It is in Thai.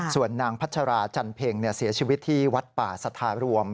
ส่วนนางพัชราจันเพ็งเสียชีวิตที่วัดป่าสัทธารวม